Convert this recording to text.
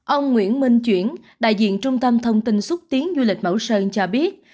ông nguyễn minh chuyển đại diện trung tâm thông tin xúc tiến du lịch mẫu sơn cho biết